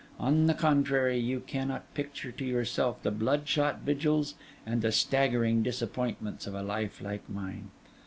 On the contrary, you cannot picture to yourself the bloodshot vigils and the staggering disappointments of a life like mine.